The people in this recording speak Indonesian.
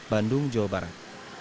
bandung jawa barat